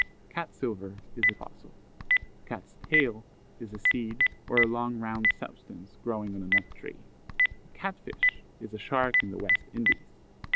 Cat silver is a fossil. Cat's tail is a seed or a long round substance growing on a nut tree. A Cat fish is a shark in the West Indies.